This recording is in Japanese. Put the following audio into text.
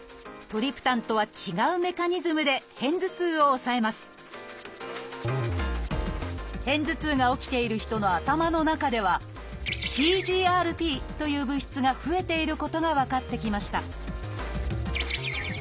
トリプタンとは違うメカニズムで片頭痛を抑えます片頭痛が起きている人の頭の中では「ＣＧＲＰ」という物質が増えていることが分かってきました